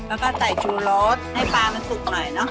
แล้วก็ใส่ชูรสให้ปลามันสุกหน่อยเนอะ